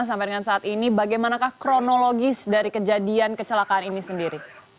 sampai dengan saat ini bagaimanakah kronologis dari kejadian kecelakaan ini sendiri